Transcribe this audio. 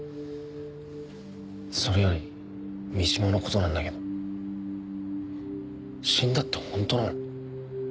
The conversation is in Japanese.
それより三島の事なんだけど死んだって本当なの？